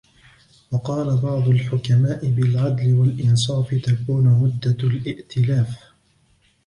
وَقَالَ بَعْضُ الْحُكَمَاءِ بِالْعَدْلِ وَالْإِنْصَافِ تَكُونُ مُدَّةُ الِائْتِلَافِ